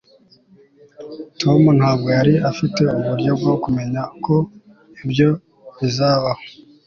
tom ntabwo yari afite uburyo bwo kumenya ko ibyo bizabaho